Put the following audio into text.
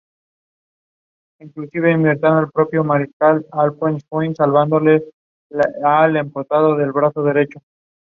The flowers and the foliage are aromatic.